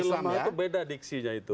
itu beda diksinya itu